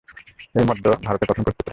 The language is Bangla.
এই মদ্য ভারতের প্রথম প্রস্তুত রাম।